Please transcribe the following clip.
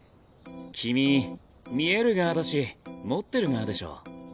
君見える側だし持ってる側でしょ。